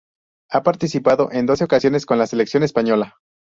Ha participado en doce ocasiones con la selección española.